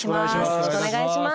よろしくお願いします。